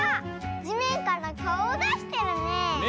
じめんからかおをだしてるね。